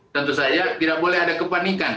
tentu saja tidak boleh ada kepanikan